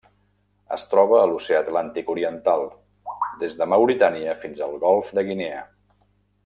Es troba a l'Oceà Atlàntic oriental: des de Mauritània fins al Golf de Guinea.